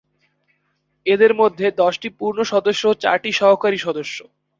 এদের মধ্যে দশটি পূর্ণ সদস্য ও চারটি সহকারী সদস্য দল।